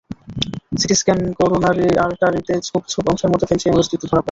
City স্ক্যানে coronary আর্টারিতে ছোপ ছোপ অংশের মতো ক্যালসিয়ামের অস্তিত্ব ধরা পড়ে।